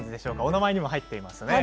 お名前にも入ってますよね。